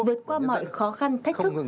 vượt qua mọi khó khăn thách thức